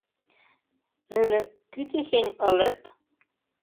Нӹны кӱ техень ылыт?